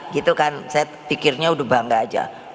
saya pikirnya udah bangga aja